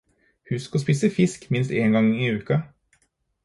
Husk å spise fisk minst én gang i uka.